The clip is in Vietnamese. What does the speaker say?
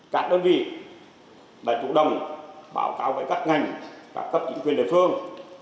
cả đơn vị đại chủ đồng báo cáo với các ngành các cấp chính quyền địa phương